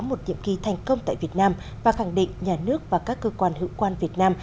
một nhiệm kỳ thành công tại việt nam và khẳng định nhà nước và các cơ quan hữu quan việt nam